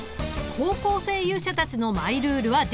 高校生勇者たちのマイルールは出来た。